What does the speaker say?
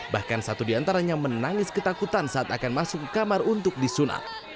bahkan satu diantaranya menangis ketakutan saat akan masuk ke kamar untuk disunat